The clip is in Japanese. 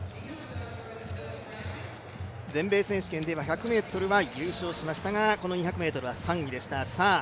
全米選手権では１００ｍでは優勝しましたがこの２００ｍは３位でした。